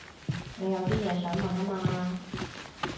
你有啲嘢想問吖嘛